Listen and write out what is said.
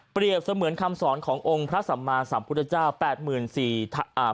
เสมือนคำสอนขององค์พระสัมมาสัมพุทธเจ้าแปดหมื่นสี่อ่า